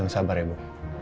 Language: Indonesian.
yang sabar ya bu